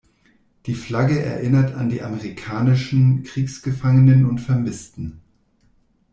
Die Flagge erinnert an die amerikanischen Kriegsgefangenen und Vermissten.